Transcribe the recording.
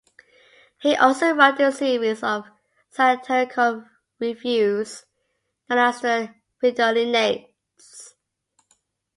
He also wrote a series of satirical revues known as the "Fridolinades".